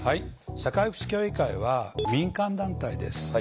社会福祉協議会は民間団体です。